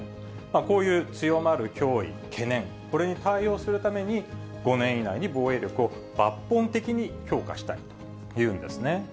こういう強まる脅威、懸念、これに対応するために、５年以内に防衛力を抜本的に強化したいというんですね。